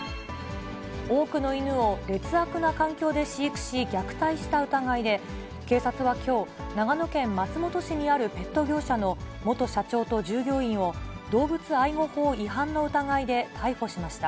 多くの犬を劣悪な環境で飼育し、虐待した疑いで、警察はきょう、長野県松本市にある、ペット業者の元社長と従業員を動物愛護法違反の疑いで逮捕しました。